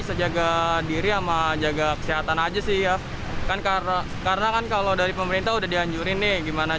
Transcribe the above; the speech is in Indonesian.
sandiaga undang mengungkapkan pada hari kelima pelaksanaan rapi tes gratis